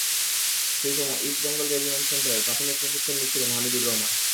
সেই সময় East Bengal Regiment সেন্টারে প্রাথমিক প্রশিক্ষণ নিচ্ছিলেন হামিদুর রহমান।